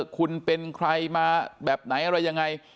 คุณเป็นใครมาแบบไหนอะไรยังไง